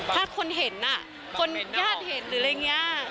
ถ้าคนเห็นคนญาติเห็นหรืออะไรอย่างนี้